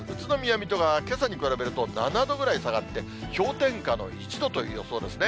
水戸がけさに比べると７度ぐらい下がって、氷点下の１度という予想ですね。